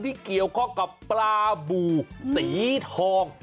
ที่เกี่ยวข้องกับปลาบูสีทอง